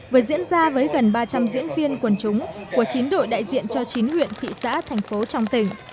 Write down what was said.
vừa diễn ra với gần ba trăm linh diễn viên quần chúng của chín đội đại diện cho chín huyện thị xã thành phố trong tỉnh